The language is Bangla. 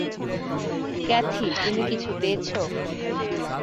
ক্যাথি, তুমি কিছু পেয়েছ?